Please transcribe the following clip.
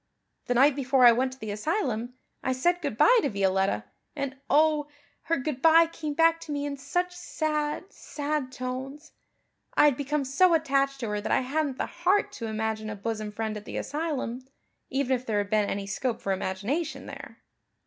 The night before I went to the asylum I said good bye to Violetta, and oh, her good bye came back to me in such sad, sad tones. I had become so attached to her that I hadn't the heart to imagine a bosom friend at the asylum, even if there had been any scope for imagination there."